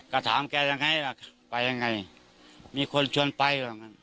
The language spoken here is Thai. ก็ถามแกจะไงล่ะไปยังไงมีคนชวนไป